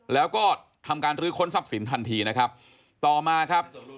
แล้วก็ทำการรื้อค้นทรัพย์สินทันทีนะครับต่อมาครับ